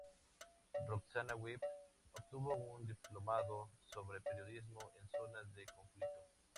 Roxana Webb obtuvo un diplomado sobre periodismo en zonas de conflicto.